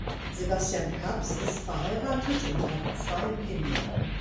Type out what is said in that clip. Sebastian Kaps ist verheiratet und hat zwei Kinder.